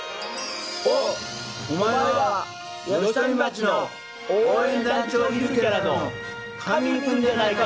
おお前は吉富町の応援団長ゆるキャラの神民くんじゃないか！